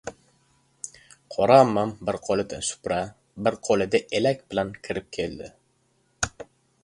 Qora ammam bir qo‘lida supra, bir qo‘lida elak bilan kirib keldi.